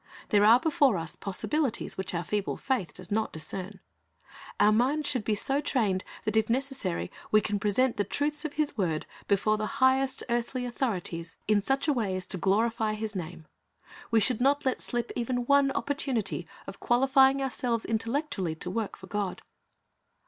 There are before us possibilities which our feeble faith does not discern. Our minds should be so trained that if necessary we can present the truths of His word before the highest earthly authorities 334 Christ's Object Lessons in such a way as to glorify His name. We should not let slip even one opportunity of qualifying ourselves intellectually to work for God.